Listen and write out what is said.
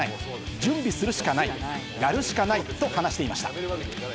準備するしかない、やるしかないと話していました。